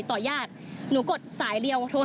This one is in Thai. มีตำรวจอยากจะให้หนูเซ็นว่าเขาเกี่ยวข้อง